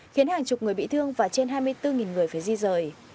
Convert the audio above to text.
khiến hàng chục người bị thương và trên hai mươi bốn người phải di rời